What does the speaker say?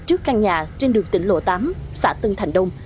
trước căn nhà trên đường tỉnh lộ tám xã tân thành đông